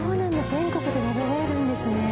全国で食べられるんですね。